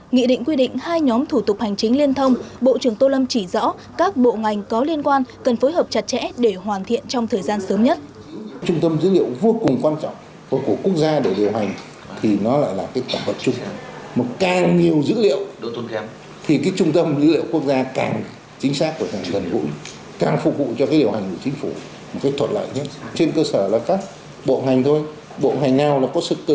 nghị định quy định hai nhóm thủ tục hành chính liên thông bộ trưởng tô lâm chỉ rõ các bộ ngành có liên quan cần phối hợp chặt chẽ để hoàn thiện trong thời gian sớm nhất